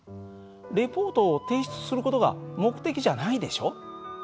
レポートを提出する事が目的じゃないでしょ？